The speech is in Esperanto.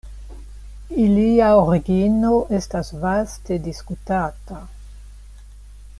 Ilia origino estas vaste diskutata.